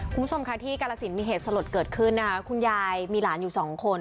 คุณผู้ชมค่ะที่กาลสินมีเหตุสลดเกิดขึ้นนะคะคุณยายมีหลานอยู่สองคน